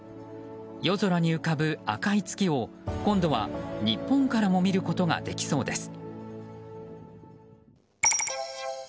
夜空に浮かぶ赤い月を今度は日本からも見ることができそうです。